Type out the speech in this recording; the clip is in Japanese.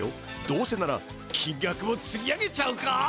どうせならきんがくもつり上げちゃうか？